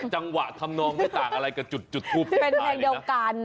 จังหวะทำนองไม่ต่างอะไรกับจุดจุดทูปเป็นเพลงเดียวกัน